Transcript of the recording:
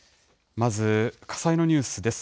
まず、火災のニュースです。